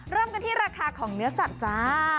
เริ่มกันที่ราคาของเนื้อสัตว์จ้า